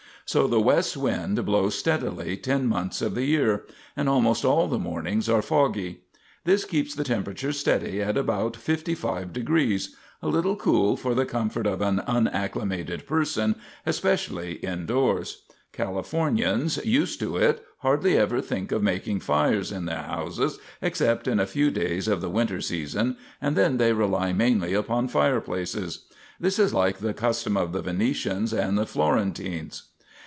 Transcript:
So the west wind blows steadily ten months of the year; and almost all the mornings are foggy. This keeps the temperature steady at about 55 degrees a little cool for the comfort of an unacclimated person, especially indoors. Californians, used to it, hardly ever think of making fires in their houses except in a few days of the winter season, and then they rely mainly upon fireplaces. This is like the custom of the Venetians and the Florentines.